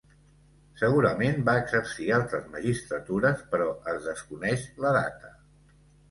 Segurament va exercir altres magistratures però es desconeix la data.